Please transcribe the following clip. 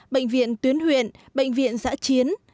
bệnh viện tuyến huyện bệnh viện giã chiến